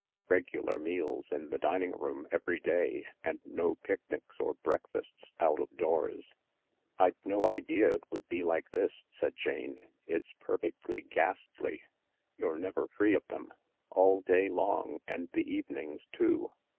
Regular meals, in the dining room, every day, and no picnics or breakfasts out of doors. " I'd no idea it would be like this," said Jane. " It's perfectly ghastly. You're never free of them. All day long and the evenings too.